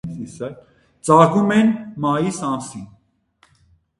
Ծաղկում են մայիս ամսին։